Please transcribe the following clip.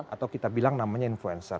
atau kita bilang namanya influencer